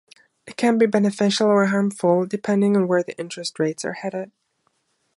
It can be beneficial or harmful depending on where interest rates are headed.